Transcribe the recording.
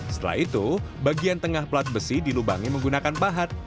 setelah itu bagian tengah pelat besi dilubangi menggunakan pahat